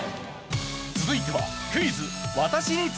続いては。